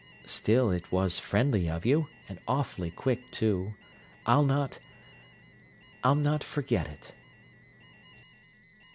"Still it was friendly of you—and awfully quick, too. I'll not—I'll not forget it!"